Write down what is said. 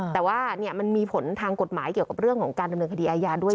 แต่ว่ามันมีผลทางกฎหมายเกี่ยวกับเรื่องของการดำเนินคดีอาญาด้วย